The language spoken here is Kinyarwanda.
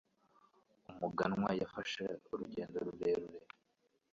Umuganwa yafashe urugendo rurerure.